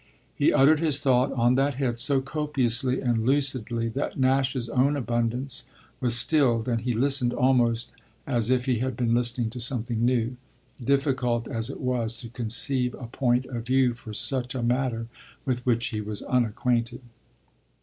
He uttered his thought on that head so copiously and lucidly that Nash's own abundance was stilled and he listened almost as if he had been listening to something new difficult as it was to conceive a point of view for such a matter with which he was unacquainted.